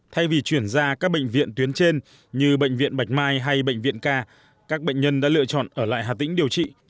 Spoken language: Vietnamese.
thay vì chuyển ra các bệnh viện tuyến trên như bệnh viện bạch mai hay bệnh viện ca các bệnh nhân đã lựa chọn ở lại hà tĩnh điều trị